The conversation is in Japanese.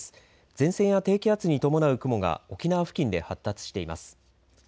前線や低気圧に伴う雲が沖縄付近で発達しています。